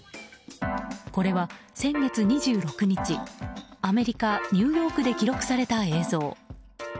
これは先月２６日アメリカ・ニューヨークで記録された映像。